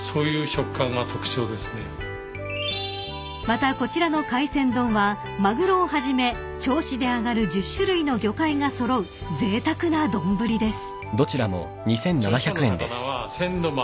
［またこちらの海鮮丼はマグロをはじめ銚子で揚がる１０種類の魚介が揃うぜいたくな丼です］